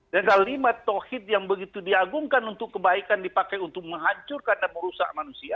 dan ada lima tohid yang begitu diagungkan untuk kebaikan dipakai untuk menghancurkan dan merusak manusia